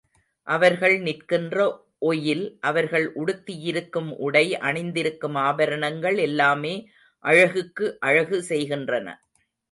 அவர்கள் நிற்கின்ற ஒயில், அவர்கள் உடுத்தியிருக்கும் உடை, அணிந்திருக்கும் ஆபரணங்கள் எல்லாமே அழகுக்கு அழகு செய்கின்றன.